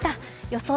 予想